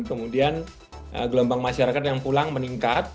kemudian gelombang masyarakat yang pulang meningkat